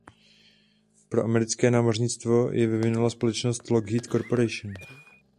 Pro americké námořnictvo ji vyvinula společnost Lockheed Corporation.